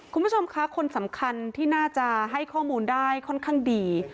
คุณผู้ชมคะคนสำคัญที่น่าจะให้ข้อมูลได้ค่อนข้างดี